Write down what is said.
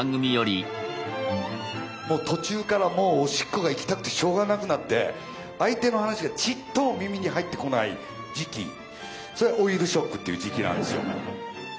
途中からもうおしっこが行きたくてしょうがなくなって相手の話がちっとも耳に入ってこない時期それが「老いるショック」っていう時期なんですよ。